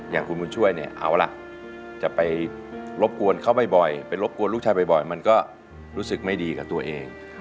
อย่างคุณบุญช่วยเนี่ยเอาล่ะจะไปรบกวนเขาบ่อยไปรบกวนลูกชายบ่อยมันก็รู้สึกไม่ดีกับตัวเอง